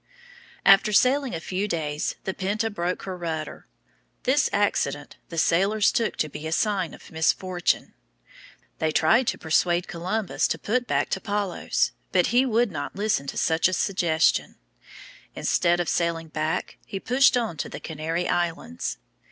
After sailing a few days, the Pinta broke her rudder. This accident the sailors took to be a sign of misfortune. They tried to persuade Columbus to put back to Palos, but he would not listen to such a suggestion. Instead of sailing back, he pushed on to the Canary Islands.